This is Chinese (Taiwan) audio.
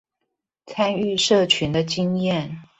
參與社群的經驗